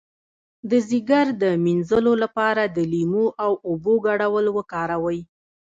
د ځیګر د مینځلو لپاره د لیمو او اوبو ګډول وکاروئ